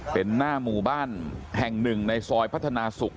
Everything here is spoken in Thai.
เป็นหน้าหมู่บ้านแห่งหนึ่งในซอยพัฒนาศุกร์